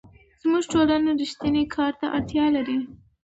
زموږ ټولنه رښتیني کار ته اړتیا لري.